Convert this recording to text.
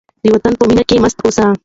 د وطن په مینه کې مست اوسئ.